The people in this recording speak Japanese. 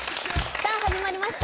さあ始まりました